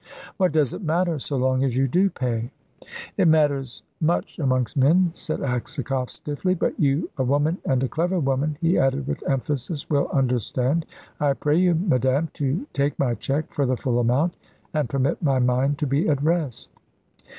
"What does it matter, so long as you do pay?" "It matters much amongst men," said Aksakoff, stiffly. "But you, a woman, and a clever woman," he added with emphasis, "will understand. I pray you, madame, to take my cheque for the full amount, and permit my mind to be at rest."